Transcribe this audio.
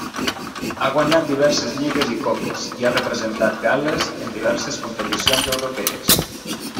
Ha guanyat diverses lligues i copes, i ha representat Gal·les en diverses competicions europees.